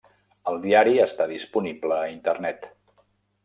El diari està disponible a Internet.